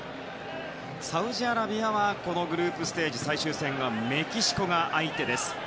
サウジアラビアはグループステージ最終戦はメキシコが相手です。